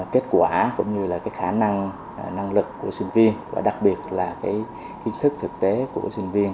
kết quả cũng như là khả năng năng lực của sinh viên và đặc biệt là kiến thức thực tế của sinh viên